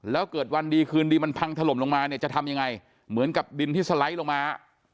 แล้วเกิดวันดีคืนดีมันพังถล่มลงมาเนี่ยจะทำยังไงเหมือนกับดินที่สไลด์ลงมา